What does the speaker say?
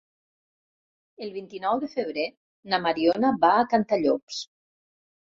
El vint-i-nou de febrer na Mariona va a Cantallops.